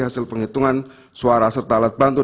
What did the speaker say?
hasil penghitungan suara serta alat bantu